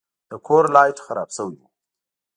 د کور لایټ خراب شوی و.